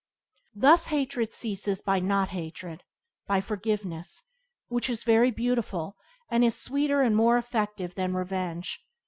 Thus hatred ceases by not hatred — by forgiveness, which is very beautiful, and is sweeter and more effective than revenge.